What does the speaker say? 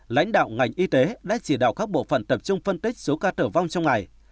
lãnh đạo ngành y tế đã chỉ đạo các bộ phận tập trung phân tích số ca tử vong trong ngày